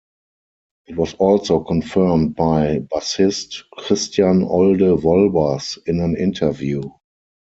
It was also confirmed by bassist Christian Olde Wolbers in an interview.